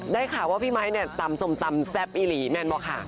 ได้ข่าวว่าพี่ไม้ตำสมตำแซ่บอิหรี่แน่นป่ะค่ะ